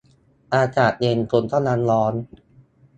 อากาศเย็น คนก็ยังร้อน